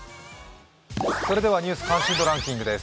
「ニュース関心度ランキング」です。